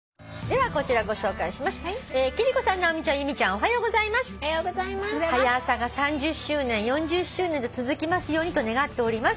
「『はや朝』が３０周年４０周年と続きますようにと願っております」